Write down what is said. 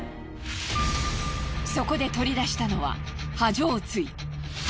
そこで取り出したのは破城槌。